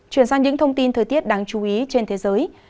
chuyển sang những thông tin thời tiết đáng chú ý trên thế giới